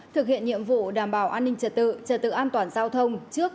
thực hiện nhiệm vụ đảm bảo an ninh trật tự trật tự an toàn giao thông trước